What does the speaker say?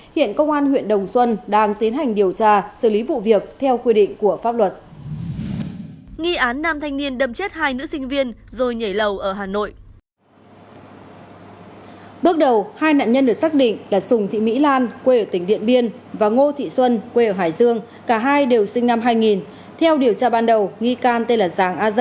hiện công an huyện đồng xuân đang tiến hành điều tra xử lý vụ việc theo quy định của pháp luật